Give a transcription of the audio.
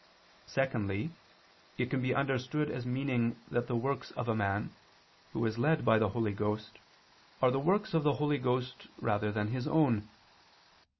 Secondly, it can be understood as meaning that the works of a man, who is led by the Holy Ghost, are the works of the Holy Ghost rather than his own.